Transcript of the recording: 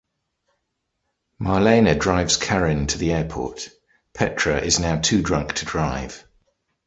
Marlene drives Karin to the airport; Petra is now too drunk to drive.